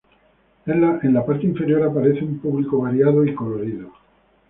En la parte inferior aparece un público variado y colorido.